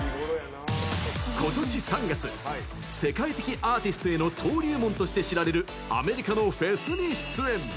今年３月世界的アーティストへの登竜門として知られるアメリカのフェスに出演。